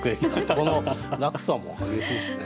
この落差も激しいしね。